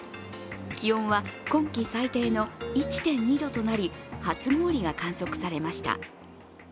気温は今季最低の１．２度となり初氷が観測されました。